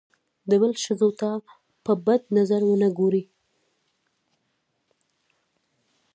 د بل ښځو ته په بد نظر ونه ګوري.